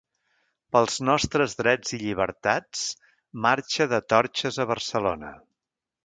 Pels nostres drets i llibertats, marxa de torxes a Barcelona.